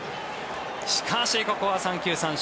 しかし、ここは三球三振。